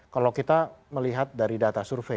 kalau kita melihat dari data survei